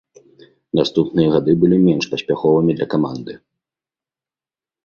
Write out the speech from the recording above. Наступныя гады былі менш паспяховымі для каманды.